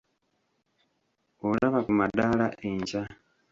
Olaba ku madaala enkya.